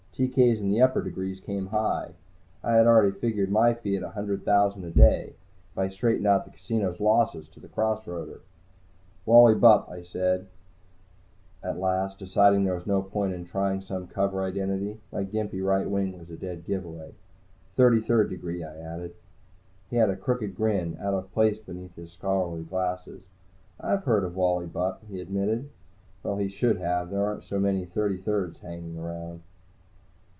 TK's in the upper degrees come high. I had already figured my fee at a hundred thousand a day, if I straightened out the casino's losses to the cross roader. "Wally Bupp," I said at last, deciding there was no point to trying some cover identity. My gimpy right wing was a dead giveaway. "Thirty third degree," I added. He had a crooked grin, out of place beneath his scholarly glasses. "I've heard of Wally Bupp," he admitted. Well, he should have. There aren't so many Thirty thirds hanging around.